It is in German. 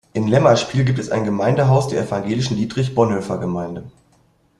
In Lämmerspiel gibt es ein Gemeindehaus der evangelischen Dietrich-Bonhoeffer-Gemeinde.